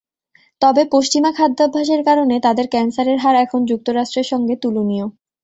তবে পশ্চিমা খাদ্যাভ্যাসের কারণে তাদের ক্যানসারের হার এখন যুক্তরাষ্ট্রের সঙ্গে তুলনীয়।